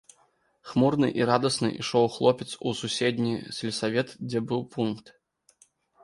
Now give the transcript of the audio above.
Хмурны і радасны ішоў хлопец у суседні сельсавет, дзе быў пункт.